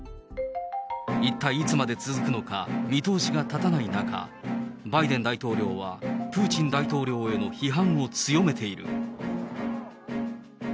一体いつまで続くのか、見通しが立たない中、バイデン大統領はプーチン大統領への批判を強めている。